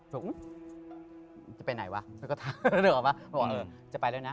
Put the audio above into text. บอกว่าจะไปไหนวะแล้วก็ถามแล้วออกมาบอกว่าจะไปแล้วนะ